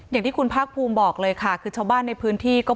อย่างที่คุณภาคภูมิบอกเลยค่ะคือชาวบ้านในพื้นที่ก็